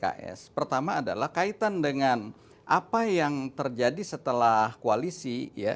pks pertama adalah kaitan dengan apa yang terjadi setelah koalisi ya